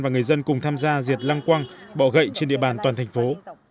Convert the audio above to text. và người dân cùng tham gia diệt lăng quăng bỏ gậy trên địa bàn toàn thành phố